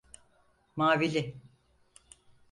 Mavili!